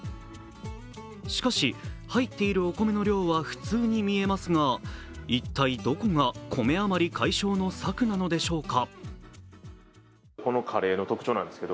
しかし、入っているお米の量は普通に見えますが一体どこがコメ余り解消の策なのでしょうか。